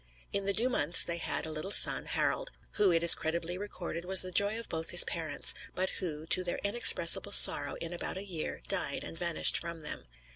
In the due months they had a little son, Harald; who, it is credibly recorded, was the joy of both his parents; but who, to their inexpressible sorrow, in about a year died, and vanished from them.